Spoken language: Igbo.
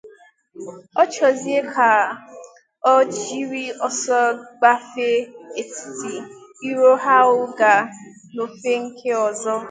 ọ chọzie ka o jiri ọsọ gbafèé etiti iro ahụ gaa n'ofè nke ọzọ